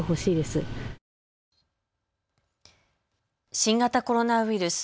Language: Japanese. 新型コロナウイルス。